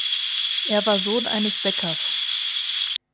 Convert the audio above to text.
Er war Sohn eines Bäckers.